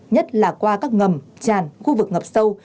nhất là qua các ngầm tràn khu vực ngập sâu